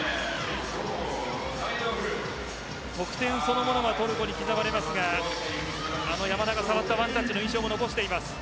得点そのものはトルコに奪われますが山田が触ったワンタッチの印象も残しています。